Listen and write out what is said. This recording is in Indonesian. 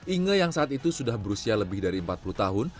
inge yang saat itu sudah berusia lebih dari empat puluh tahun